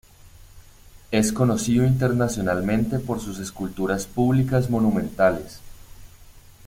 Es conocido internacionalmente por sus esculturas públicas monumentales.